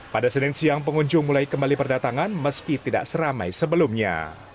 pada senin siang pengunjung mulai kembali berdatangan meski tidak seramai sebelumnya